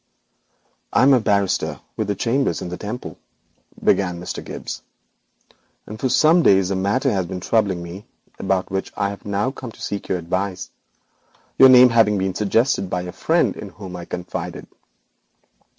'I am a barrister with chambers in the Temple,' began Mr. Gibbes, 'and for some days a matter has been troubling me about which I have now come to seek your advice, your name having been suggested by a friend in whom I confided.'